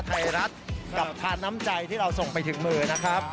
ไทยรัฐกับทานน้ำใจที่เราส่งไปถึงมือนะครับ